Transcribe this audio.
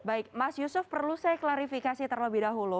baik mas yusuf perlu saya klarifikasi terlebih dahulu